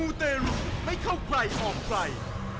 มูเตรุไม่เข้าไกลออกไกล